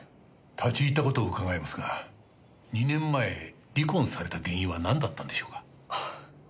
立ち入った事を伺いますが２年前離婚された原因はなんだったんでしょうか？